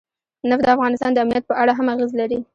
نفت د افغانستان د امنیت په اړه هم اغېز لري.